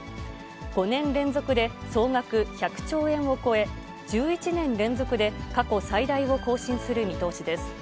５年連続で総額１００兆円を超え、１１年連続で過去最大を更新する見通しです。